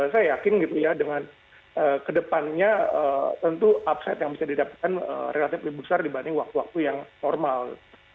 saya yakin gitu ya dengan kedepannya tentu upside yang bisa didapatkan relatif lebih besar dibanding waktu waktu yang normal